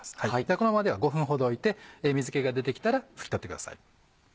このままで５分ほどおいて水気が出てきたら拭き取ってください。